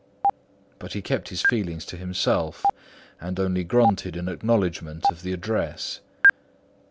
But he kept his feelings to himself and only grunted in acknowledgment of the address.